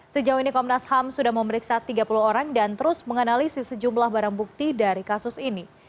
sejauh ini komnas ham sudah memeriksa tiga puluh orang dan terus menganalisi sejumlah barang bukti dari kasus ini